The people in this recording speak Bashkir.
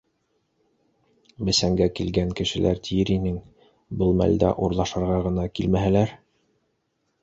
Бесәнгә килгән кешеләр тиер инең - был мәлдә урлашырға ғына килмәһәләр?